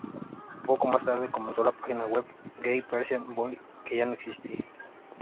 Poco más tarde comenzó la página web "Gay Persian Boy", que ya no existe.